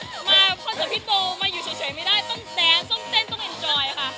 มาคอนเสิร์ตพี่โตมาอยู่เฉยไม่ได้ต้องแดนต้องเต้นต้องอินจอยค่ะ